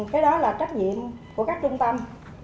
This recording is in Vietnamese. cái đó là trách nhiệm của các trung tâm